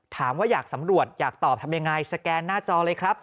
ถามว่าอยากสำรวจอยากตอบทำยังไงสแกนหน้าจอเลยครับ